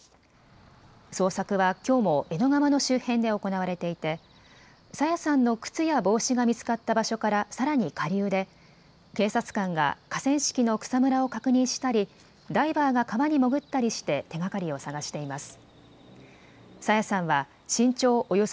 捜索はきょうも江戸川の周辺で行われていて朝芽さんの靴や帽子が見つかった場所からさらに下流で警察官が河川敷の草むらを確認したりダイバーが川に潜ったりして手がかりを捜しています。